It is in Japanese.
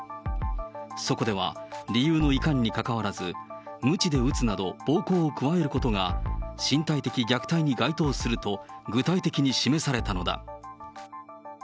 そこでは理由のいかんにかかわらず、むちで打つなど、暴行を加えることが、身体的虐待に該当すると具体的に示されたのだ。